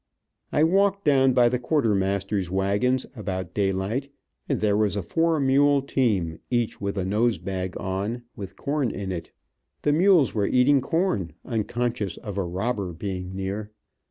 I walked down by the quartermaster's wagons, about daylight, and there was a four mule team, each with a nose bag on, with corn in it. The mules were eating corn, unconscious of a robber being near.